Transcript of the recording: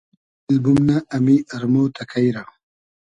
دۂ دیل بومنۂ امی ارمۉ تئکݷ رۂ